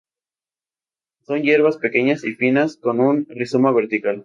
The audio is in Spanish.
Son hierbas pequeñas y finas con un rizoma vertical.